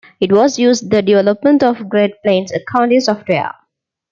It was used in the development of Great Plains accounting software.